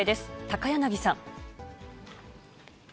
高柳さん。